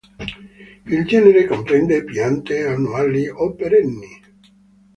Il genere comprende piante annuali o perenni.